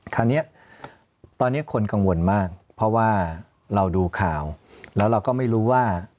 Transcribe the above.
คราวนี้ตอนนี้คนกังวลมากเพราะว่าเราดูข่าวแล้วเราก็ไม่รู้ว่า